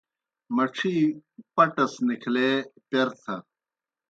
مڇِھی پٹَس نِکھلے پیر تھہ۔